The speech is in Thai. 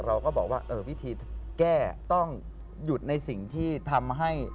พอหลังจากนั้นปุ๊บเราก็บอกว่าวิธีแก้ต้องหยุดในสิ่งที่ทำให้